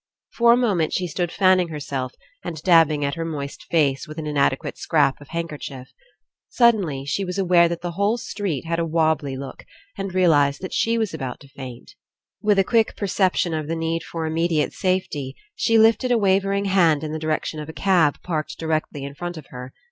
For a moment she stood fanning her self and dabbing at her moist face with an In adequate scrap of handkerchief. Suddenly she was aware that the whole street had a wobbly II PASSING look, and realized that she was about to faint. With a quick perception of the need for Im mediate safety, she lifted a wavering hand In the direction of a cab parked directly In front of her.